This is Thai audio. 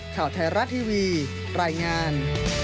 ข่าวไทยรัฐทีวีรายงาน